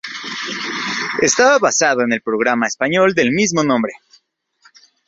Estaba basado en el programa español del mismo nombre.